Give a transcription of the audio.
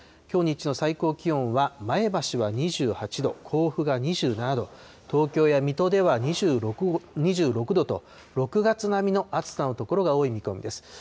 きょう日中の最高気温は前橋は２８度、甲府が２７度、東京や水戸では２６度と、６月並みの暑さの所が多い見込みです。